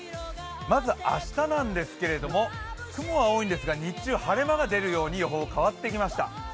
まず明日なんですけれども、雲は多いんですが日中晴れ間が出るように予報、変わってきました。